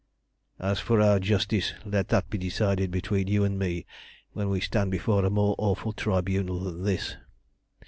"As for our justice, let that be decided between you and me when we stand before a more awful tribunal than this.